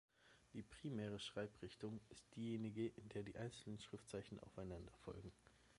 Die primäre Schreibrichtung ist diejenige, in der die einzelnen Schriftzeichen aufeinanderfolgen.